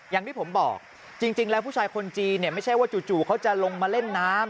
อย่างที่ผมบอกจริงแล้วผู้ชายคนจีนเนี่ยไม่ใช่ว่าจู่เขาจะลงมาเล่นน้ำ